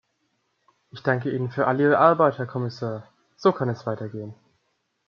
Ich danke Ihnen für all Ihre Arbeit, Herr Kommissar, so kann es weitergehen.